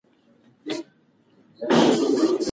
ټولنیز چلند د کلتوري چاپېریال اغېز دی.